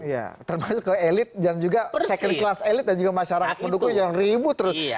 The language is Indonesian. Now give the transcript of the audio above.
ya termasuk elit dan juga kelas kelas elit dan juga masyarakat mendukungnya yang ribut